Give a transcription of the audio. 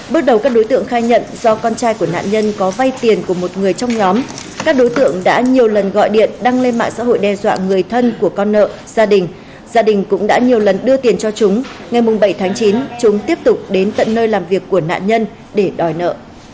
bước đầu các đối tượng khai nhận do con trai của nạn nhân có vay tiền của một người trong nhóm các đối tượng đã nhiều lần gọi điện đăng lên mạng xã hội đe dọa người thân của con nợ gia đình gia đình cũng đã nhiều lần đưa tiền cho chúng ngày bảy tháng chín chúng tiếp tục đến tận nơi làm việc của nạn nhân để đòi nợ